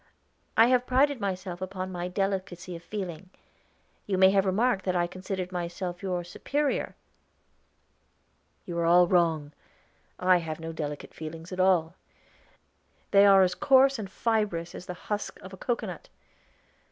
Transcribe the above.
"I have prided myself upon my delicacy of feeling. You may have remarked that I considered myself your superior?" "You are all wrong. I have no delicate feelings at all; they are as coarse and fibrous as the husk of a cocoanut.